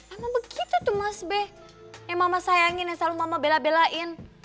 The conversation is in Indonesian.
emang begitu tuh mas be yang mama sayangin yang selalu mama bela belain